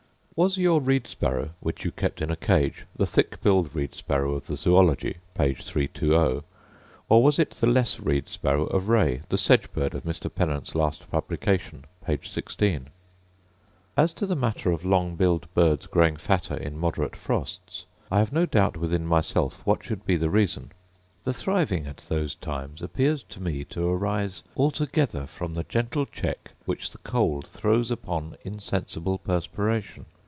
Was your reed sparrow, which you kept in a cage, the thick billed reed sparrow of the Zoology, p. 320; or was it the less reed sparrow of Ray, the sedge bird of Mr. Pennant's last publication, p. 16? As to the matter of long billed birds growing fatter in moderate frosts, I have no doubt within myself what should be the reason. The thriving at those times appears to me to arise altogether from the gentle check which the cold throws upon insensible perspiration.